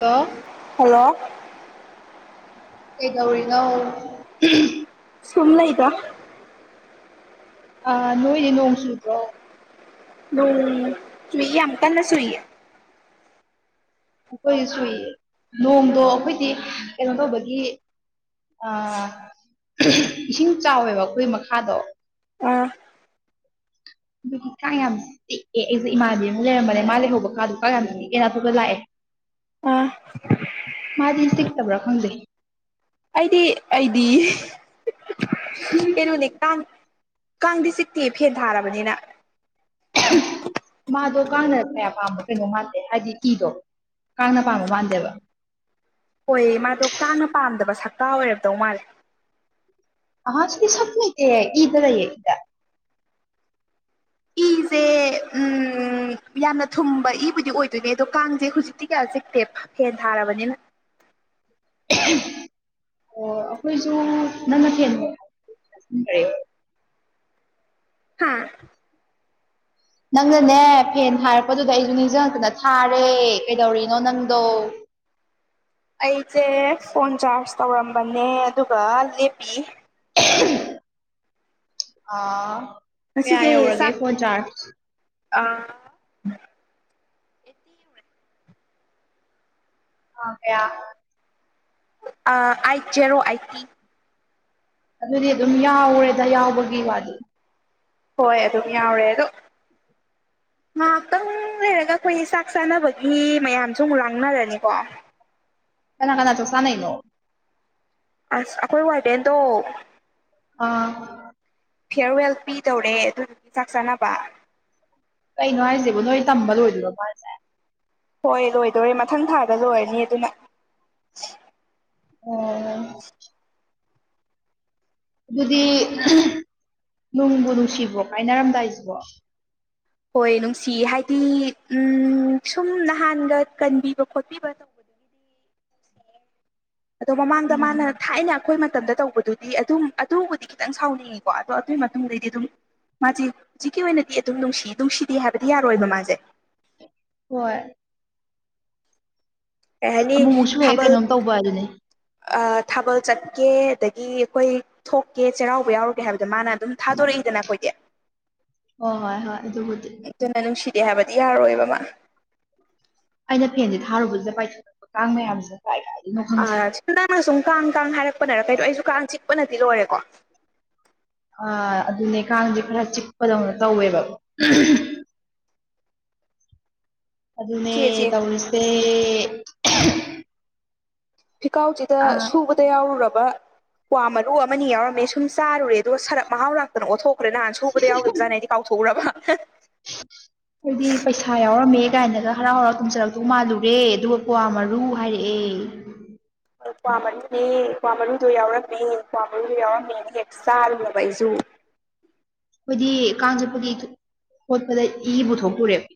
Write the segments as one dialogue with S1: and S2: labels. S1: ꯑꯣ
S2: ꯍꯜꯂꯣ
S1: ꯀꯩꯗꯧꯔꯤꯅꯣ
S2: ꯁꯨꯝ ꯂꯩꯗ
S1: ꯑꯥ ꯅꯣꯏꯗꯤ ꯅꯣꯡ ꯆꯨꯗ꯭ꯔꯣ
S2: ꯅꯣꯡ ꯆꯨꯏꯌꯦ ꯌꯥꯝ ꯀꯟꯅꯥ ꯆꯨꯏꯌꯦ
S1: ꯑꯩꯈꯣꯏ ꯁꯨꯏ ꯅꯣꯡꯗꯣ ꯑꯩꯈꯣꯏꯗꯤ ꯀꯩꯅꯣ ꯇꯧꯕꯒꯤ ꯑ ꯏꯁꯤꯡ ꯆꯥꯎꯋꯦꯕ ꯑꯩꯈꯣꯏ ꯃꯈꯥꯗꯣ
S2: ꯑꯥ
S1: ꯑꯗꯨꯒꯤ ꯀꯥꯡ ꯌꯥꯝ ꯆꯤꯛꯑꯦ ꯑꯩꯖꯦ ꯏꯃꯥꯟꯅꯕꯤ ꯑꯃꯒ ꯂꯩꯔꯝꯕꯅꯦ ꯃꯥ ꯂꯩꯍꯧꯕ ꯀꯥꯗꯣ ꯀꯥꯡ ꯌꯥꯝ ꯆꯤꯛꯑꯦꯅ ꯑꯇꯣꯞꯄꯗ ꯂꯥꯛꯑꯦ
S2: ꯑ
S1: ꯃꯥꯗꯤ ꯁꯤꯛꯇꯕ꯭ꯔꯥ ꯈꯪꯗꯦ
S2: ꯑꯩꯗꯤ ꯑꯩꯗꯤ ꯀꯩꯅꯣꯅꯦ ꯇꯥꯡ ꯀꯥꯡꯗꯤ ꯆꯤꯛꯇꯤ ꯐꯦꯟ ꯊꯥꯔꯕꯅꯤꯅ
S1: ꯃꯥꯗꯣ ꯀꯥꯡꯅ ꯀꯌꯥ ꯄꯥꯝꯕ ꯀꯩꯅꯣ ꯉꯥꯟꯇꯦ ꯍꯥꯏꯗꯤ ꯏꯗꯣ ꯀꯥꯡꯅ ꯄꯥꯝꯕ ꯃꯥꯟꯗꯦꯕ
S2: ꯍꯣꯏꯌꯦ ꯃꯥꯗꯣ ꯀꯥꯡꯅ ꯄꯥꯝꯗꯕ ꯁꯛꯀꯥ ꯑꯣꯏꯔꯕꯗꯧ ꯃꯥꯜꯂꯦ
S1: ꯑ ꯁꯤꯗꯤ ꯁꯃꯇ ꯏꯗꯔ ꯌꯦꯗ
S2: ꯏꯖꯦ ꯎꯝ ꯌꯥꯝꯅ ꯊꯨꯝꯕ ꯏꯕꯨꯗꯤ ꯑꯣꯏꯗꯣꯏꯅꯦ ꯑꯗꯣ ꯀꯥꯡꯁꯦ ꯍꯧꯖꯤꯛꯇꯤ ꯀꯌꯥ ꯆꯤꯛꯇꯦ ꯐꯦꯟ ꯊꯥꯔꯕꯅꯤꯅ
S1: ꯑꯣ ꯑꯩꯈꯣꯏꯖꯨ ꯅꯪꯅ ꯊꯦꯝꯃꯨ
S2: ꯍꯥꯥ
S1: ꯅꯪꯅꯅꯦ ꯐꯦꯟ ꯍꯥꯏꯔꯛꯄꯗꯨꯗ ꯑꯩꯖꯨ ꯅꯤꯡꯁꯤꯡꯉꯛꯇꯅ ꯊꯥꯔꯦ ꯀꯩꯗꯧꯔꯤꯅꯣ ꯅꯪꯗꯣ
S2: ꯑꯩꯖꯦ ꯐꯣꯟ ꯆꯥꯔꯖ ꯇꯧꯔꯝꯕꯅꯦ ꯑꯗꯨꯒ ꯂꯦꯞꯄꯤ
S1: ꯑꯥ ꯀꯌꯥ
S2: ꯉꯁꯤꯖꯦ
S1: ꯌꯧꯔꯒꯦ
S2: ꯆꯥꯛ
S1: ꯐꯣꯟ ꯆꯥꯔꯖ
S2: ꯑ
S1: ꯑꯥ ꯀꯌꯥ
S2: ꯑꯩꯥꯏꯠ ꯖꯦꯔꯣ ꯑꯩꯠꯇ
S1: ꯑꯗꯨꯗꯤ ꯑꯗꯨꯝ ꯌꯥꯎꯔꯦꯗ ꯌꯥꯎꯕꯒꯤ ꯋꯥꯗꯤ
S2: ꯍꯣꯏ ꯑꯗꯨꯝ ꯌꯥꯎꯔꯦ ꯑꯗꯣ ꯉꯥꯏꯍꯥꯛꯇꯪ ꯂꯩꯔꯒ ꯑꯩꯈꯣꯏ ꯆꯥꯛ ꯆꯥꯅꯕꯒꯤ ꯃꯌꯥꯝꯁꯨ ꯑꯃꯨꯛ ꯂꯥꯡꯅꯔꯅꯤꯀꯣ
S1: ꯀꯅꯥ ꯀꯅꯥ ꯆꯥꯛꯆꯥꯅꯩꯅꯣ
S2: ꯑꯁ ꯑꯩꯈꯣꯏ ꯋꯥꯔꯗꯦꯟꯗꯣ
S1: ꯑꯥ
S2: ꯐꯤꯌꯥꯔꯋꯦꯜ ꯄꯤꯗꯧꯔꯦ ꯑꯗꯨꯗꯨꯒꯤ ꯆꯥꯛ ꯆꯥꯅꯕ
S1: ꯀꯩꯅꯣ ꯍꯥꯏꯁꯦꯕ ꯅꯣꯏ ꯇꯝꯕ ꯂꯣꯏꯗꯣꯏꯣ ꯃꯥꯁꯦ
S2: ꯍꯣꯏ ꯂꯣꯏꯗꯧꯔꯦ ꯃꯊꯪ ꯊꯥꯗ ꯂꯣꯏꯔꯅꯤ ꯑꯗꯨꯅ
S1: ꯑꯣ ꯑꯗꯨꯗꯤ ꯅꯨꯡꯕꯨ ꯅꯨꯡꯁꯤꯕꯣ ꯀꯥꯏꯅꯔꯝꯗꯥꯏꯁꯤꯕꯣ
S2: ꯍꯣꯏ ꯅꯨꯡꯁꯤ ꯍꯥꯏꯗꯤ ꯎꯝ ꯁꯨꯝ ꯅꯍꯥꯟꯒ ꯀꯟꯕꯤꯕ ꯈꯣꯠꯄꯤꯕꯗꯧ ꯑꯗꯣ ꯃꯃꯥꯡꯗ
S1: ꯎꯝ
S2: ꯃꯥꯅ ꯊꯥꯏꯅ ꯑꯩꯈꯣꯏ ꯃꯇꯝꯗ ꯇꯧꯕ ꯑꯗꯨꯗꯤ ꯑꯗꯨꯝ ꯑꯗꯨꯕꯨꯗꯤ ꯈꯤꯇꯪ ꯁꯥꯎꯅꯤꯡꯉꯤꯀꯣ ꯑꯗꯣ ꯑꯗꯨꯒꯤ ꯃꯇꯨꯡꯗꯩꯗꯤ ꯑꯗꯨꯝ ꯃꯥꯖꯦ ꯍꯧꯖꯤꯛꯀꯤ ꯑꯣꯏꯅꯗꯤ ꯑꯗꯨꯝ ꯅꯨꯡꯁꯤ ꯅꯨꯡꯁꯤꯗꯦ ꯍꯥꯏꯕꯗꯤ ꯌꯥꯔꯣꯏꯕ ꯃꯥꯖꯦ
S1: ꯍꯣꯏ
S2: ꯀꯩ ꯍꯥꯏꯅꯤ
S1: ꯑꯃꯨꯃꯨꯛꯁꯨ ꯍꯦꯛ ꯀꯩꯅꯣꯝ ꯇꯧꯕ ꯑꯗꯨꯅꯤ
S2: ꯑ ꯊꯥꯕꯜ ꯆꯠꯀꯦ ꯑꯗꯒꯤ ꯑꯩꯈꯣꯏ ꯊꯣꯛꯀꯦ ꯆꯩꯔꯥꯎꯕ ꯌꯥꯎꯔ ꯇꯦꯍꯥꯏꯕꯗꯣ ꯃꯥꯅ ꯑꯗꯨꯝ ꯊꯥꯗꯣꯔꯛꯏꯗꯅ ꯑꯩꯈꯣꯏꯗꯤ
S1: ꯍꯣꯏ ꯍꯣꯏ ꯍꯣꯏ ꯑꯗꯨꯕꯨꯗꯤ
S2: ꯑꯗꯨꯅ ꯅꯨꯡꯁꯤꯗꯦ ꯍꯥꯏꯕꯗꯤ ꯌꯥꯔꯣꯏꯕ ꯃꯥ
S1: ꯑꯩꯅ ꯐꯦꯟꯁꯦ ꯊꯥꯔꯨꯕꯕꯁꯤꯗ ꯄꯥꯏꯊꯣꯔꯂꯛꯄ ꯀꯥꯡ ꯃꯌꯥꯝꯁꯤꯅ ꯀꯥꯏ ꯀꯥꯏꯗꯒꯤꯅꯣ ꯈꯪꯗꯦ
S2: ꯑ ꯁꯤ ꯅꯪꯅ ꯁꯨꯝ ꯀꯥꯡ ꯀꯥꯡ ꯍꯥꯏꯔꯛꯄꯅꯔ ꯀꯩꯅꯣ ꯑꯩꯁꯨ ꯀꯥꯡ ꯆꯤꯛꯄꯅꯗꯤ ꯂꯣꯏꯔꯦꯀꯣ
S1: ꯑ ꯑꯗꯨꯅꯦ ꯀꯥꯡꯁꯦ ꯈꯔ ꯆꯤꯛꯄꯗꯧꯅ ꯇꯧꯋꯦꯕ ꯑꯗꯨꯅꯦ
S2: ꯆꯦ ꯆꯦ
S1: ꯇꯧꯔꯤꯁꯦ
S2: ꯐꯤꯀꯥꯎꯁꯤꯗ
S1: ꯑꯥ
S2: ꯁꯨꯕ ꯗ ꯌꯥꯎꯔꯨꯔꯕ ꯀ ꯃꯔꯨ ꯑꯃꯅꯤ ꯌꯥꯎꯔꯝꯃꯦ ꯁꯨꯝ ꯆꯥꯔꯨꯔꯦ ꯑꯗꯨꯒ ꯁꯔꯞ ꯃꯍꯥꯎꯔꯛ ꯀꯩꯅꯣ ꯑꯣꯠꯊꯣꯛꯈ꯭ꯔꯦ ꯅꯍꯥꯟ ꯁꯨꯕꯗ ꯌꯥꯎꯈꯤꯕ ꯖꯥꯅ ꯑꯩꯗꯤ ꯀꯥꯎꯊꯣꯛꯎꯕ
S1: ꯑꯈꯣꯏꯗꯤ ꯄꯩꯁꯥ ꯄꯥ ꯌꯥꯎꯔꯝꯃꯦ ꯀꯥꯏꯅꯒ ꯍꯔꯥꯎ ꯍꯔꯥꯎ ꯇꯝꯖꯔꯛꯇꯧ ꯃꯥꯜꯂꯨꯔꯦ ꯑꯗꯨꯒ ꯀ꯭ꯋꯥ ꯃꯔꯨ ꯍꯥꯏꯔꯛꯑꯦ
S2: ꯀ꯭ꯋꯥ ꯃꯔꯨꯅꯦ ꯀ꯭ꯋꯥ ꯃꯔꯨꯗꯣ ꯌꯥꯎꯔꯛꯃꯦ ꯀ꯭ꯋꯥ ꯃꯔꯨꯗꯣ ꯌꯥꯎꯔꯝꯅꯦꯅ ꯍꯦꯛ ꯆꯥꯔꯨꯕ ꯑꯩꯖꯨ
S1: ꯑꯩꯈꯣꯏꯗꯤ ꯀꯥꯡ ꯆꯠꯄꯒꯤ ꯈꯣꯠꯄꯗ ꯏ ꯄꯨꯊꯣꯛꯇꯨꯔꯦꯕ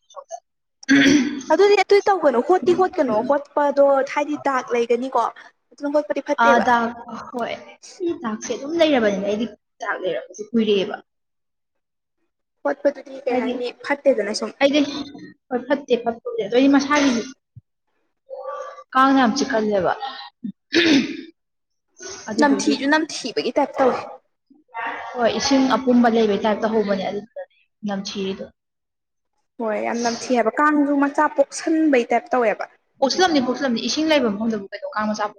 S2: ꯑꯗꯨꯗꯤ ꯑꯗꯨꯏ ꯇꯧꯒꯅꯣ ꯍꯣꯠꯇꯤ ꯍꯣꯠꯀꯅꯣ ꯍꯣꯠꯄꯗꯣ ꯍꯥꯏꯗꯤ ꯗꯥꯛꯛ ꯂꯩꯒꯅꯤꯀꯣ ꯑꯗꯨꯅ ꯈꯣꯠꯄꯗꯤ
S1: ꯑ ꯗꯥꯛ ꯍꯣꯏ ꯁꯤ ꯗꯥꯛꯁꯦ ꯑꯗꯨꯝ ꯂꯩꯔꯕꯅꯤꯅ ꯑꯩꯗꯤ ꯗꯥꯛ ꯂꯩꯔꯕꯁꯦ ꯀꯨꯏꯔꯛꯑꯦꯕ
S2: ꯄꯗꯤ
S1: ꯍꯥꯏꯗꯤ ꯑꯩꯗꯤ ꯍꯣꯏ ꯐꯠꯇꯦ ꯐꯠꯇꯣꯁꯦ ꯑꯣ ꯑꯩꯗꯤ ꯃꯁꯥꯒꯤꯗꯤ ꯀꯥꯟꯅꯦꯌꯥꯝ ꯆ ꯀꯜꯂꯦꯕ
S2: ꯅꯝꯊꯤꯁꯨ ꯅꯝꯊꯤꯕꯒꯤ ꯇꯥꯏꯞ ꯇꯧꯏꯦ
S1: ꯍꯣꯏ ꯏꯁꯤꯡ ꯑꯄꯨꯝꯕ ꯂꯩꯕꯩ ꯇꯥꯏꯞꯇ ꯍꯧꯕꯅꯦ ꯑꯗꯨ ꯅꯝ ꯆꯔꯤꯗꯣ
S2: ꯍꯣꯏ ꯌꯥꯝ ꯅꯝꯊꯤꯑꯕ ꯀꯥꯡꯁꯨ ꯃꯆꯥ ꯄꯣꯛꯁꯟꯕꯩ ꯇꯥꯏꯞ ꯇꯧꯋꯦꯕ
S1: ꯄꯣꯛꯁꯤꯜꯂꯝꯕꯅꯤ ꯄꯣꯛꯁꯤꯜꯂꯝꯅꯤ ꯏꯁꯤꯡ ꯂꯩꯕ ꯃꯐꯝꯗꯕꯨ ꯀꯩꯅꯣ ꯀꯥꯡ ꯃꯆꯥꯣꯛ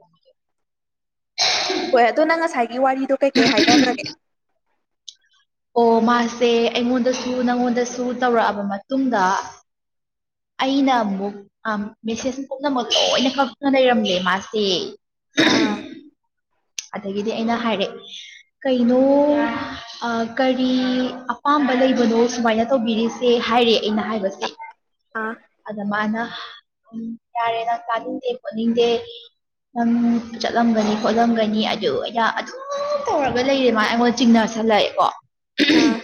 S2: ꯍꯣꯏ ꯑꯗꯣ ꯅꯪ ꯉꯁꯥꯏꯒꯤ ꯋꯥꯔꯤꯗꯣ ꯀꯩꯀꯩ ꯍꯥꯏꯅꯈ꯭ꯔꯒꯦ
S1: ꯑꯣ ꯃꯥꯁꯦ ꯑꯩꯉꯣꯟꯗꯁꯨ ꯅꯪꯉꯣꯟꯗꯁꯨ ꯇꯧꯔꯛꯑꯕ ꯃꯇꯨꯡꯗ ꯑꯩꯅ ꯑꯃꯨꯛ ꯃꯦꯁꯦꯁ ꯄꯨꯝꯅꯃꯛ ꯂꯣꯏꯅ ꯈꯛꯇꯨꯅ ꯂꯩꯔꯝꯂꯦ ꯃꯥꯁꯦ
S2: ꯑꯥ
S1: ꯑꯗꯒꯤꯗꯤ ꯑꯩꯅ ꯍꯥꯏꯔꯦꯑꯦ ꯀꯩꯅꯣ ꯀꯔꯤ ꯑꯄꯥꯝꯕ ꯂꯩꯕꯅꯣ ꯁꯨꯃꯥꯏꯅ ꯇꯧꯕꯤꯔꯤꯁꯦ ꯍꯥꯏꯔꯦ ꯑꯩꯅ ꯍꯥꯏꯕꯁꯦ
S2: ꯑꯥ
S1: ꯑꯗ ꯃꯥꯅ ꯎ ꯌꯥꯔꯦ ꯅꯪ ꯇꯥꯅꯤꯡꯗꯦ ꯄꯣꯠꯅꯤꯡꯗꯦ ꯅꯪ ꯆꯠꯂꯝꯒꯅꯤ ꯈꯣꯠꯂꯝꯒꯅꯤ ꯑꯗꯨ ꯑꯩꯅ ꯇꯧꯔꯒ ꯂꯩꯔꯦ ꯃꯥꯅ ꯑꯩꯉꯣꯟꯗ ꯆꯤꯡꯅꯁꯜꯂꯛꯑꯦꯀꯣ
S2: ꯑꯥ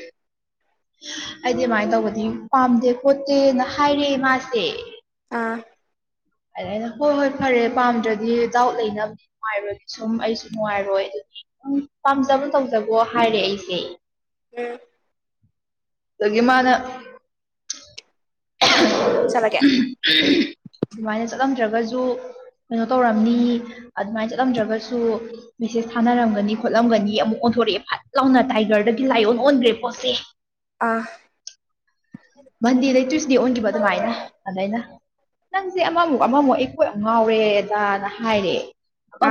S1: ꯑꯩꯗꯤ ꯑꯗꯨꯃꯥꯏꯅ ꯇꯧꯕꯗꯤ ꯄꯥꯝꯗꯦ ꯈꯣꯠꯇꯦꯅ ꯍꯥꯏꯔꯑꯦ ꯏ ꯃꯥꯥꯁꯦ
S2: ꯑꯥ
S1: ꯑꯗꯨ ꯑꯩꯅ ꯍꯣꯏ ꯍꯣꯏ ꯐꯔꯦ ꯄꯥꯝꯗ꯭ꯔꯗꯤ ꯗꯥꯎꯠ ꯂꯩꯅꯕꯗꯤ ꯅꯨꯡꯉꯥꯏꯔꯣꯏꯗꯤ ꯁꯨꯝ ꯑꯩꯁꯨ ꯅꯨꯡꯉꯥꯏꯔꯣꯏ ꯑꯗꯨꯗꯤ ꯝ ꯄꯥꯝꯖꯕ ꯇꯧꯖꯕꯣ ꯍꯥꯏꯔꯦ ꯑꯩꯁꯦ
S2: ꯎ
S1: ꯑꯗꯒꯤ ꯃꯥꯅ
S2: ꯆꯂꯒꯦ
S1: ꯑꯗꯨꯃꯥꯏꯅ ꯆꯠꯂꯝꯗ꯭ꯔꯒꯁꯨ ꯀꯩꯅꯣ ꯇꯧꯔꯝꯅꯤ ꯑꯗꯨꯃꯥꯏꯅ ꯆꯠꯂꯝꯗ꯭ꯔꯒꯁꯨ ꯃꯦꯁꯦꯁ ꯊꯥꯅꯔꯝꯒꯅꯤ ꯈꯣꯠꯂꯝꯒꯅꯤ ꯑꯃꯨꯛ ꯑꯣꯟꯊꯣꯔꯛꯑꯦ ꯐꯠ ꯂꯥꯎꯅ ꯇꯥꯏꯒꯔꯗꯒꯤ ꯂꯥꯏꯑꯣꯟ ꯑꯣꯟꯈ꯭ꯔꯦ ꯄꯣꯠꯁꯦ
S2: ꯑꯥ
S1: ꯃꯟꯗꯦꯗꯩ ꯇ꯭ꯋꯁꯗꯦ ꯑꯣꯟꯈꯤꯕ ꯑꯗꯨꯃꯥꯏꯅ ꯑꯗꯨꯃꯥꯏꯅ ꯅꯪꯁꯦ ꯑꯃꯃꯨꯛ ꯑꯃꯃꯨꯛ ꯑꯩ ꯀꯣꯏ ꯑꯃ ꯉꯥꯎꯔꯦꯗꯥꯅ ꯍꯥꯏꯔꯦ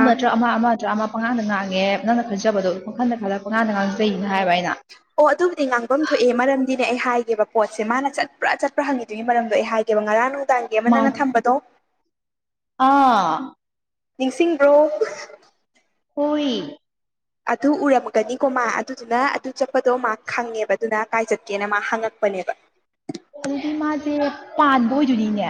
S2: ꯑꯥ
S1: ꯑꯃ ꯑꯃꯗ ꯑꯃ ꯄꯉꯥꯡꯗ ꯉꯥꯡꯉꯦ ꯅꯪꯅ ꯈꯟꯖꯕꯗꯣ ꯋꯥꯈꯜꯗ ꯈꯜꯂꯒ ꯄꯉꯥꯟꯗ ꯉꯥꯡꯖꯩꯅ ꯍꯥꯏꯕ ꯑꯩꯅ
S2: ꯑꯣ ꯑꯗꯨꯕꯨꯗꯤ ꯉꯥꯡꯐꯝ ꯊꯣꯛꯑꯦ ꯃꯔꯝꯗꯤꯅꯦ ꯑꯩ ꯍꯥꯏꯒꯦꯕ ꯄꯣꯠꯁꯦ ꯃꯥꯅ ꯆꯠ꯭ꯔꯥ ꯆꯠꯄ꯭ꯔꯥ ꯍꯪꯉꯤꯗꯨꯒꯤ ꯃꯔꯝꯗꯣ ꯑꯩ ꯍꯥꯏꯒꯦ ꯉꯔꯥꯡ ꯅꯨꯡꯗꯥꯡꯒꯤ ꯑꯃ
S1: ꯃꯥ
S2: ꯅꯪꯅ ꯊꯝꯕꯗꯣ
S1: ꯑꯥ
S2: ꯅꯤꯡꯁꯤꯡꯕ꯭ꯔꯣ
S1: ꯍꯨꯏ
S2: ꯑꯗꯨ ꯎꯔꯝꯃꯒꯅꯤꯀꯣ ꯃꯥ ꯑꯗꯨꯗꯨꯅ ꯑꯗꯨ ꯆꯠꯄꯗꯣ ꯃꯥ ꯈꯪꯉꯦꯕ ꯑꯗꯨꯅ ꯀꯥꯏ ꯆꯠꯀꯦꯅ ꯃꯥ ꯍꯪꯉꯛꯄꯅꯦꯕ
S1: ꯑꯗꯨꯗꯤ ꯃꯥꯁꯦ ꯄꯥꯟꯕ ꯑꯣꯏꯗꯣꯏꯅꯤꯅꯦ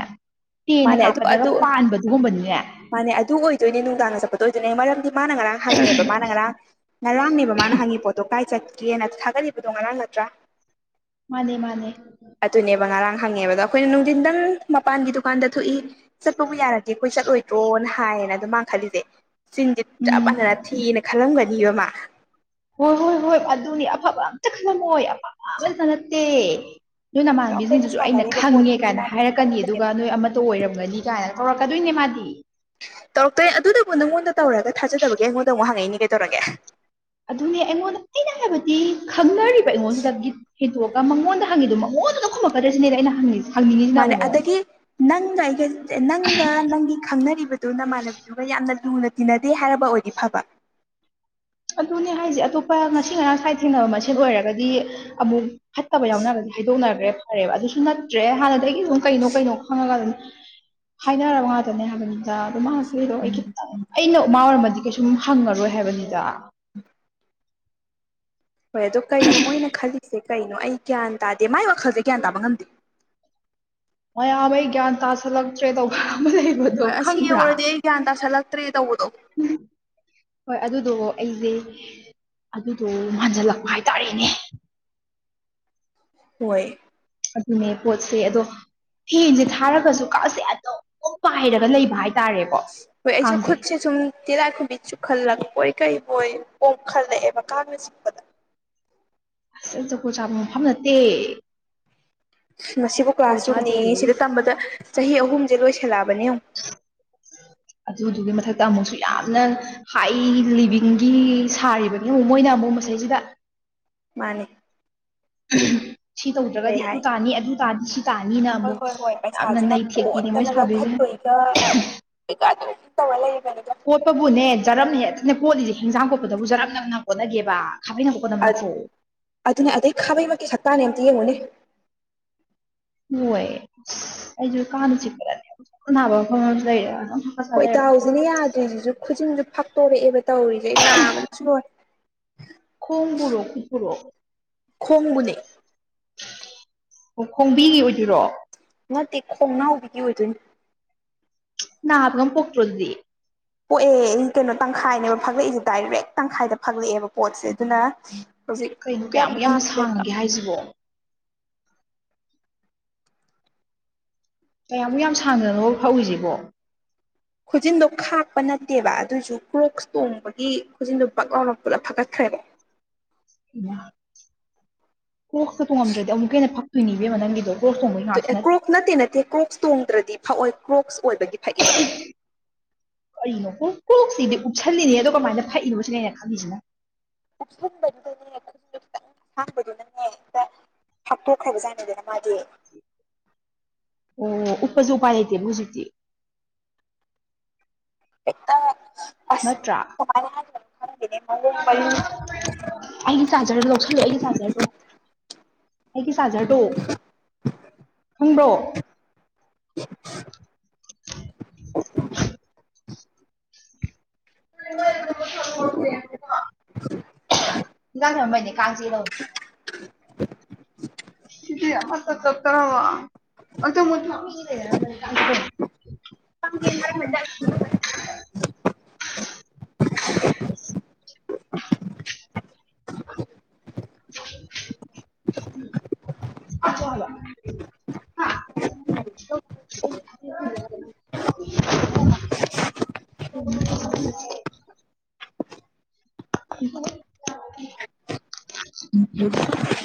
S1: ꯇꯦꯟꯅ
S2: ꯃꯥꯅꯦ ꯑꯗꯨ
S1: ꯀꯥꯞꯄꯗꯒ
S2: ꯑꯗꯨ
S1: ꯄꯥꯟꯕꯗꯨꯒꯨꯝꯕꯅꯤꯅꯦ
S2: ꯃꯥꯅꯦ ꯑꯗꯨ ꯑꯣꯏꯗꯣꯏꯅꯦ ꯅꯨꯡꯗꯥꯡꯅ ꯆꯠꯄꯗ ꯇ ꯑꯣꯏꯗꯨꯅꯦ ꯃꯔꯝꯗꯤ ꯃꯥꯅ ꯉꯔꯥꯡ ꯍꯪꯉꯦꯕ ꯃꯥꯅ ꯉꯔꯥꯡ ꯉꯔꯥꯡꯅꯦꯕ ꯃꯥꯅ ꯍꯪꯉꯤ ꯄꯣꯠꯇꯣ ꯀꯗꯥꯥꯏ ꯆꯠꯀꯦꯅ ꯊꯥꯒꯠꯂꯤꯕꯗꯣ ꯉꯔꯥꯡ ꯅꯠꯇ꯭ꯔꯥ
S1: ꯃꯥꯅꯦ ꯃꯥꯅꯦ
S2: ꯑꯗꯨꯅꯦꯕ ꯉꯔꯥꯡ ꯍꯪꯉꯦꯕꯗꯣ ꯑꯩꯈꯣꯏꯅ ꯅꯨꯡꯊꯤꯟꯗꯪ ꯃꯄꯥꯟꯒꯤ ꯗꯨꯀꯥꯟꯗ ꯊꯣꯛꯏ ꯆꯠꯄꯕꯨ ꯌꯥꯔꯗꯤꯦ ꯑꯩꯈꯣꯏ ꯆꯠꯂꯣꯏꯗ꯭ꯔꯣꯅ ꯍꯥꯏꯌꯦꯅ ꯑꯗꯨꯝ ꯃꯥꯡꯈꯂꯤꯁꯦ ꯆꯤꯟꯁꯦ ꯆꯞ
S1: ꯎꯝ
S2: ꯃꯥꯟꯅꯅ ꯊꯤꯑꯅ ꯈꯜꯂꯝꯒꯅꯤꯕ ꯃꯥ
S1: ꯍꯣꯏ ꯍꯣꯏ ꯍꯣꯏ ꯑꯗꯨꯅꯤ ꯑꯐꯕ ꯑꯝꯇ ꯈꯜꯂꯝꯃꯣꯏ ꯑꯐꯕ ꯑꯇ ꯅꯠꯇꯦ ꯅꯣꯏ
S2: ꯑꯗꯣ ꯑꯩꯈꯣꯏꯅ
S1: ꯅꯃꯥꯟꯕꯤꯁꯤꯡꯗꯨꯁꯨ ꯑꯩꯅ
S2: ꯁꯥꯟꯅꯔꯤꯕ
S1: ꯈꯪꯉꯦ
S2: ꯄꯣꯠꯇꯨꯗꯤ
S1: ꯀꯥꯏꯅ
S2: ꯃꯥꯅ
S1: ꯍꯥꯏꯔꯛꯀꯅꯤ ꯑꯗꯨꯒ
S2: ꯈꯪꯗ꯭ꯔꯦꯕ
S1: ꯅꯣꯏ ꯑꯃ ꯣ ꯑꯣꯏꯔꯝꯒꯅꯤ ꯀꯥꯏꯅ ꯀꯧꯔꯛꯀꯗꯣꯏꯅꯦ ꯃꯥꯗꯤ
S2: ꯇꯧꯔꯛꯇꯣꯏꯦ ꯑꯗꯨꯗꯕꯨ ꯅꯪꯉꯣꯟꯗ ꯇꯧꯔꯒ ꯊꯥꯖꯗꯕꯒꯦ ꯑꯩꯉꯣꯟꯗ ꯑꯃꯨꯛ ꯍꯪꯉꯛꯏꯅꯦ ꯀꯩꯗꯧꯔꯒꯦ
S1: ꯑꯗꯨꯅꯦ ꯑꯩꯉꯣꯟꯗ ꯑꯩꯅ ꯍꯥꯏꯕꯗꯤ ꯈꯪꯅꯔꯤꯕ ꯑꯩꯉꯣꯟꯁꯤꯗ ꯍꯦꯟꯇꯣꯛꯑꯒ ꯃꯉꯣꯟꯗ ꯍꯪꯉꯤꯣ ꯃꯉꯣꯟꯗ ꯈꯨꯝꯃꯛꯀꯗꯁꯤ ꯁꯤꯅꯦꯗ ꯑꯩꯅ ꯍꯪꯉꯤꯁꯦ ꯍꯪꯅꯤꯡꯉꯤꯁꯤꯅ
S2: ꯃꯥꯂ
S1: ꯑꯃꯨꯛ ꯃꯉꯣꯟꯗ
S2: ꯑꯗꯒꯤ ꯅꯪꯅ ꯑꯩꯒ ꯅꯪꯒ ꯅꯪꯒꯤ ꯈꯪꯅꯔꯤꯕꯗꯨꯅ ꯃꯥꯜꯂ ꯑꯗꯨꯒ ꯌꯥꯝꯅ ꯂꯨꯅ ꯇꯤꯟꯅꯗꯦ ꯍꯥꯏꯔꯕ ꯑꯣꯏꯗꯤ ꯐꯕ
S1: ꯑꯗꯨꯅꯦ ꯍꯥꯏꯁꯦ ꯑꯇꯣꯞꯄ ꯉꯁꯤ ꯉꯔꯥꯡ ꯁ꯭ꯋꯥꯏꯗ ꯊꯦꯡꯅꯕ ꯃꯁꯦ ꯑꯣꯏꯔꯒꯗꯤ ꯑꯃꯨꯛ ꯐꯠꯇꯕ ꯌꯥꯎꯅꯔꯒꯗꯤ ꯍꯥꯏꯗꯣꯛꯅꯈ꯭ꯔꯦ ꯐꯔꯦꯕ ꯑꯗꯨꯁꯨ ꯅ ꯅꯠꯇ꯭ꯔꯦ ꯍꯥꯟꯅꯗꯒꯤ ꯑꯗꯨꯝ ꯀꯩꯅꯣ ꯀꯩꯅꯣ ꯈꯪꯉꯒ ꯑꯗꯨꯝ ꯍꯥꯏꯅꯔꯕ ꯉꯥꯛꯇꯅꯦ ꯍꯥꯏꯕꯅꯤꯗ ꯑꯗꯨꯝ ꯀꯗꯣ ꯑꯩ ꯈꯤꯇꯪ ꯑꯩꯅ ꯎꯃꯥ ꯑꯣꯏꯔꯃꯗꯤ ꯀꯩꯁꯨꯝ ꯍꯪꯉꯔꯣꯏ ꯍꯥꯏꯕꯅꯤꯗ
S2: ꯎꯝ ꯍꯣꯏ ꯑꯗꯣ ꯀꯩꯅꯣ ꯃꯣꯏꯅ ꯈꯜꯂꯤꯁꯦ ꯀꯩꯅꯣ ꯑꯩ ꯒ꯭ꯌꯥꯟ ꯇꯥꯗꯦ ꯃꯥꯏ ꯋꯥꯈꯜꯁꯦ ꯒ꯭ꯌꯥꯟ ꯇꯥꯕ ꯉꯝꯗꯦ
S1: ꯃꯌꯥꯝ ꯑꯩ ꯒ꯭ꯌꯥꯟ ꯇꯥꯥꯁꯜꯂꯛꯇ꯭ꯔꯦ ꯇꯧꯕ ꯑꯃ ꯂꯩꯕꯗꯣ
S2: ꯍꯣꯏ ꯑꯁꯤ
S1: ꯈꯪꯕ꯭ꯔꯥ
S2: ꯌꯧꯔꯗꯤ ꯑꯩ ꯒ꯭ꯌꯥꯟ ꯇꯥ ꯆꯜꯂꯛꯇ꯭ꯔꯦ ꯇꯧꯕꯗꯣ
S1: ꯍꯣꯏ ꯑꯗꯨꯗ ꯑꯩꯁꯦ ꯑꯗꯨꯗꯣ ꯃꯥꯟꯖꯜꯂꯛꯄ ꯍꯥꯏꯇꯥꯔꯦꯅꯦ
S2: ꯍꯣꯏ
S1: ꯑꯗꯨꯅꯦ ꯄꯣꯠꯁꯦ ꯑꯗꯣ ꯐꯦꯟꯁꯦ ꯊꯥꯔꯒꯁꯨ ꯀꯥꯁꯦ ꯑꯗꯨꯝ ꯄꯥꯏꯔꯒ ꯂꯩꯕ ꯍꯥꯏꯦ
S2: ꯑꯩꯁꯨ ꯈꯠꯁ ꯆꯨꯝ ꯇꯤꯔꯥꯏꯈꯨꯝꯕꯤ ꯆꯨꯈꯠꯂꯛꯄꯣꯏ ꯀꯩ ꯃꯣꯏ ꯄꯣꯝꯈꯠꯂꯛꯑꯦꯕ ꯀꯥꯡꯅ ꯆꯤꯛꯄꯗ
S1: ꯖꯒꯨ ꯆꯥꯕ ꯃꯐꯝ ꯅꯠꯇꯦ
S2: ꯉꯕꯨ
S1: ꯖꯒꯣꯠ ꯆꯥꯗꯦ
S2: ꯀ꯭ꯂꯥꯁꯔꯨꯝꯅꯤ ꯁꯤꯗ ꯇꯝꯕꯗ ꯆꯍꯤ ꯑꯍꯨꯝꯁꯦ ꯂꯣꯏꯁꯜꯂꯛꯑꯕꯅꯦ ꯑꯃꯨ [unintelligible]
S1: ꯑꯗꯨꯗꯨꯒꯤ ꯃꯊꯛꯇ ꯑꯃꯨꯛꯁꯨ ꯌꯥꯝꯅ ꯍꯥꯏ ꯂꯤꯕꯤꯡꯒꯤ ꯁꯥꯔꯤꯕꯅꯤ ꯑꯃꯨꯛ ꯃꯣꯏꯅ ꯑꯃꯨꯛ ꯃꯁꯩꯁꯤꯗ
S2: ꯃꯥꯅꯤ
S1: ꯁꯤ
S2: ꯀꯩ
S1: ꯇꯧꯗ꯭ꯔꯒꯗꯤ ꯑꯗꯨ
S2: ꯍꯥꯏ
S1: ꯇꯥꯅꯤ ꯑꯗꯨ ꯇꯥꯗꯤ ꯆꯥꯅꯤꯅ
S2: ꯍꯣꯏ
S1: ꯑꯃꯨꯛ
S2: ꯍꯣꯏ ꯍꯣꯏ
S1: ꯌꯥꯝꯅ
S2: ꯄꯩꯁꯥꯁꯤꯅ
S1: ꯅꯩꯊꯦꯛꯄꯤꯅꯦ ꯃꯣꯏ ꯁꯥꯕꯤꯁꯦ
S2: ꯭ꯔꯦ ꯏꯠꯇꯂꯒꯅꯤꯒ
S1: ꯀꯣꯠꯄꯕꯨꯅꯦ ꯖꯔꯝꯃꯦ ꯍꯦ ꯀꯣꯠꯂꯤꯁꯦ ꯍꯤꯡꯖꯥꯡ ꯈꯣꯠꯄꯗꯕꯨ ꯖꯔꯝꯅꯕꯅ ꯍꯣꯠꯅꯒꯦꯕ ꯈꯥ
S2: ꯑ
S1: ꯅ ꯐ
S2: ꯑꯗꯨꯅꯦ ꯑꯗꯩ ꯈꯥꯕꯩꯃꯛꯀꯤ ꯁꯛꯇꯥꯅꯦ ꯑꯝꯇ ꯌꯦꯡꯉꯨꯅꯦ
S1: ꯍꯣꯏꯌꯦ ꯑꯁ ꯑꯩꯁꯨ ꯀꯥꯟꯅ ꯆꯤꯛꯄꯗꯅꯦ ꯑꯅꯥꯕ ꯃꯐꯝ ꯑꯃꯁꯨ ꯂꯩꯔꯦ ꯍꯥꯀꯠꯆ
S2: ꯍꯣꯏ
S1: ꯂꯩꯔꯕ
S2: ꯇꯥꯎꯁꯤꯅ ꯌꯥꯗ꯭ꯔꯤꯁꯤꯁꯨ ꯈꯨꯖꯤꯟꯁꯨ ꯐꯛꯇꯣꯔꯛꯑꯦꯕ ꯇꯧꯔꯤꯁꯦ ꯅꯥꯕꯅꯁꯨ ꯂꯣꯏꯦ
S1: ꯈꯣꯡꯕꯨꯔꯣ ꯀꯄꯨꯔꯣ
S2: ꯈꯣꯡꯕꯨꯅꯤ
S1: ꯑꯣ ꯈꯣꯡꯕꯤꯒꯤ ꯑꯣꯏꯗꯣꯏꯔꯣ
S2: ꯅꯠꯇꯦ ꯈꯣꯡꯅꯥꯎꯕꯤꯒꯤ ꯑꯣꯏꯗꯣꯏꯅꯤ
S1: ꯅ ꯉ ꯄꯣꯛ꯭ꯔꯣꯗꯤ
S2: ꯄꯣꯛꯑꯦ ꯑꯩ ꯀꯩꯅꯣ ꯇꯪꯈꯥꯏꯅꯦꯕ ꯐꯥꯛꯒꯂꯛꯏꯁꯦ ꯗꯥꯏꯔꯦꯛ ꯇꯪꯈꯥꯏꯗ ꯐꯥꯛꯠꯂꯛꯑꯦꯕ ꯄꯣꯠꯁꯦ ꯑꯗꯨꯅ ꯍꯧ
S1: ꯀꯩꯅꯣ ꯀꯌꯥꯃꯨꯛ
S2: ꯀꯌꯥ
S1: ꯌꯥꯝꯅ ꯁꯥꯡꯉꯒꯦ ꯍꯥꯏꯁꯤꯕꯣ ꯀꯌꯥꯃꯨꯛ ꯌꯥꯝ ꯁꯥꯡꯅꯣ ꯐꯧꯔꯤꯁꯤꯕꯣ
S2: ꯈꯨꯖꯤꯟꯗꯣ ꯈꯥꯛꯄ ꯅꯠꯇꯦꯕ ꯑꯗꯨꯏꯁꯨ ꯀ꯭ꯔꯣꯛꯁ ꯇꯣꯡꯕꯒꯤ ꯈꯨꯖꯤꯟꯗꯣ ꯄꯛ ꯂꯥꯎꯅ ꯄꯨꯂꯞ ꯐꯒꯠꯈ꯭ꯔꯦꯕ
S1: ꯎ ꯀꯣꯛꯛꯇ ꯇ ꯉꯝꯗ꯭ꯔꯗꯤ ꯑꯃꯨꯛꯀ ꯍꯦꯟꯅ ꯐꯛꯇꯣꯏꯅꯤꯕ ꯅꯪꯒꯤꯗꯣ ꯀ꯭ꯔꯣꯛꯁ ꯇꯣꯡꯕꯩ ꯉꯥꯛꯁꯨ
S2: ꯑꯦ ꯀ꯭ꯔꯣꯛꯁ ꯅꯠꯇꯦ ꯅꯠꯇꯦ ꯀ꯭ꯔꯣꯛꯁ ꯇꯣꯡꯗ꯭ꯔꯗꯤ ꯐꯑꯣꯏ ꯀ꯭ꯔꯣꯛꯁ ꯑꯣꯏꯕꯒꯤ ꯐꯏꯕ
S1: ꯀꯔꯤꯅꯣ ꯀꯣꯛ ꯀꯣꯛꯁꯤꯗꯤ ꯎꯞꯁꯜꯂꯤꯅꯦ ꯑꯗꯣ ꯀꯃꯥꯏꯅ ꯐꯛꯏꯅꯣ ꯁꯤꯅꯦꯩꯅ ꯈꯪꯜꯂꯤꯁꯤꯅ
S2: ꯀꯁꯟꯕꯗꯤ ꯍꯥꯡꯕꯗꯤ ꯅꯅꯦ ꯍꯥꯞꯇꯣꯛꯈ꯭ꯔꯕꯖꯥꯅꯗꯅ ꯃꯥꯗꯤ
S1: ꯑꯣ ꯎꯄꯁꯨ ꯎꯥꯏ ꯂꯩꯇꯦ ꯖꯤꯛꯇꯤ ꯅꯠꯇ꯭ꯔꯥ
S2: [unintelligible]
S1: [unintelligible] ꯑꯩꯒꯤ ꯆꯥꯔꯖꯔꯗ ꯂꯧꯁꯜꯂꯣ ꯑꯩꯒꯤ ꯆꯥꯔꯖꯔꯗꯣ ꯑꯩꯒꯤ ꯆꯥꯔꯖꯔꯗꯣ ꯈꯪꯕ꯭ꯔꯣ [unintelligible] ꯏꯖꯥꯡ ꯁꯦꯝꯕꯩꯅꯦ ꯀꯥꯡ ꯆꯤꯛ [unintelligible] ꯁꯤꯗ ꯑꯃꯇ ꯀꯛꯇꯔꯗꫭ [unintelligible]
S2: [unintelligible]
S1: [unintelligible] [unintelligible] [unintelligible]
S2: ꯎꯝ [unintelligible]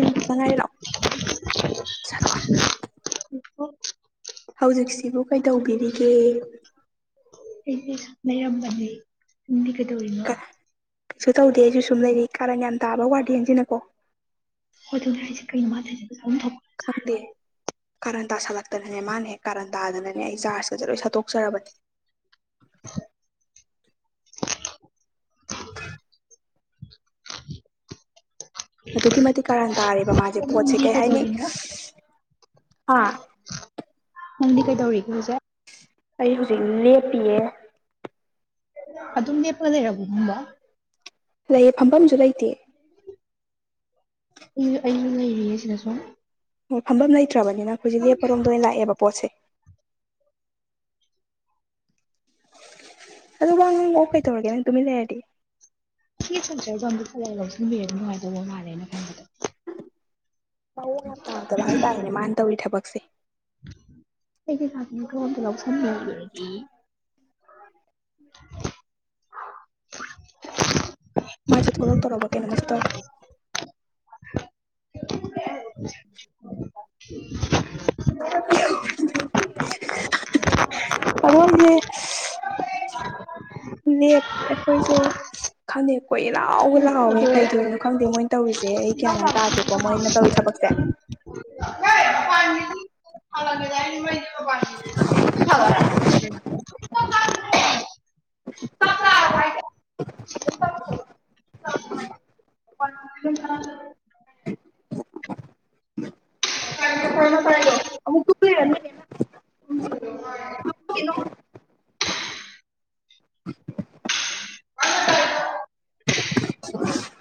S2: [unintelligible] ꯂꯣ ꯆꯔ
S1: ꯑꯣ
S2: ꯍꯧꯖꯤꯛꯁꯤꯕꯨ ꯀꯩꯗꯧꯕꯤꯔꯤꯒꯦ
S1: ꯂꯩꯔꯝꯕꯅ‌ꯦ ꯅꯪꯗ ꯀꯩꯗꯧꯔꯤꯅꫭ
S2: ꯀꯩꯁꯨ ꯇꯧꯗꯦ ꯑꯩꯁꯨ ꯁꯨꯝ ꯂꯩꯔꯤ ꯀꯥꯔꯟ ꯌꯥꯝ ꯇꯥꯕ ꯋꯥꯔꯗꯦꯟꯁꯤꯅꯀꯣ
S1: ꯍꯣꯏ ꯀꯩꯅ
S2: ꯈꯪꯗꯦ ꯀꯥꯔꯟ ꯇꯥꯥꯁꯜꯂꯛꯇꯅꯅꯦ ꯃꯥꯅꯦꯦꯛ ꯀꯥꯔꯟ ꯇꯥꯗꯅꯅꯦ ꯑꯩ ꯆꯥꯔꯖꯀꯁꯦ ꯂꯣꯏ ꯁꯠꯇꯣꯛꯆꯔꯕꯗꯤ
S1: [unintelligible]
S2: ꯑꯗꯨꯛꯀꯤ ꯃꯇꯤꯛ ꯀꯔꯟ ꯇꯥꯔꯦꯕ ꯃꯥꯁꯦ ꯄꯣꯠꯁꯦ
S1: ꯅꯪꯗꯤ
S2: ꯀꯩ ꯍꯥꯏꯅꯤ
S1: ꯀꯩꯗꯧꯔꯤꯅꯣ
S2: ꯑꯥ
S1: ꯅꯪꯗꯤ ꯀꯩ ꯇꯧꯔꯤꯒꯦ ꯍꯧꯁꯦ
S2: ꯑꯩ ꯍꯧꯖꯤꯛ ꯂꯦꯞꯄꯤꯌꯦ
S1: ꯑꯗꯨꯝ ꯂꯦꯞꯄ ꯂꯩꯔꯕꫭ ꯅꯪꯕꫭ
S2: ꯂꯩꯌꯦ ꯐꯝꯐꯝꯁꯨ ꯂꯩꯇꯦ
S1: ꯑꯩꯁꯨ ꯂꯩꯔꯤꯌꯦ ꯁꯤꯗꯁꯨ
S2: ꯑꯣꯣꯏ ꯐꯝꯐꯝ ꯂꯩꯇ꯭ꯔꯕꯅꯤꯅ ꯍꯧꯖꯤꯛ ꯂꯦꯞꯄꯔꯣꯝꯗ ꯑꯣꯏꯅ ꯂꯥꯛꯑꯦꯕ ꯄꯣꯠꯁꯦ ꯑꯗꯨ ꯋꯥ ꯅꯪ ꯑꯣꯛ ꯀꯩ ꯇꯧꯔꯒꯦ ꯅꯪ ꯇꯨꯃꯤ ꯂꯩꯔꯗꯤ
S1: ꯀ ꯆꯣꯆꯔꯒꯣꯝ ꯄꯨꯖ ꯂꯧꯁꯤꯟꯕꯤꯔ ꯑꯗꯨ ꯅꯨꯡꯉꯥꯏꯗꯧꯕ ꯃꯥꯜꯂꯦꯅ ꯈꯟꯕꯗꯣ
S2: ꯃꯑꯣꯡ ꯇꯥꯗꯅ ꯍꯥꯏꯇꯥꯥꯛꯦꯅꯦ ꯃꯥꯅ ꯇꯧꯔꯤ ꯊꯕꯛꯁꯦ
S1: ꯊꯗ ꯂꯁ [unintelligible] [unintelligible]
S2: ꯃꯥꯁꯦ ꯊꯧꯔꯛ ꯊꯧꯔꯕ ꯀꯩꯅꯣ ꯀꯩꯑꯥꯥꯃꯁꯨꯇꯧ [inaudible]
S1: [inaudible]
S2: [unintelligible] ꯑꯗꯣ [unintelligible] ꯅ‌ꯦꯠ ꯄ‌ꯦꯄꯔꯁꯦ ꯈꯪꯗ‌ꯦ ꯀꫭꯏꯂꯥꯎ ꯂꯥꯎꯋ
S1: ꯑꯗꯣ
S2: ꯀꯩꯗꯣꯏꯅ ꯈꯪꯗꯦ ꯃꯣꯏꯅ ꯇꯧꯔꯤꯁꯦ ꯑꯩ ꯀꯌꯥ ꯑꯝ ꯇꯥꯗꯦꯀꯣ ꯃꯣꯏꯅ ꯇꯧꯔꯤ ꯊꯕꯛꯁꯦ
S1: [unintelligible] [unintelligible]
S2: [inaudible]
S1: ꯐ [unintelligible]
S2: [unintelligible]
S1: [unintelligible]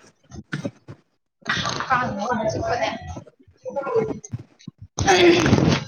S2: [unintelligible]
S1: ꯀ ꯆꯄꯅꯦ [unintelligible]